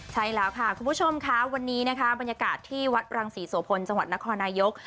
ใช่แล้วค่ะคุณผู้ชมค่ะวันนี้นะคะบรรยากาศที่วัดรังศรีโสพลจังหวัดนครนายก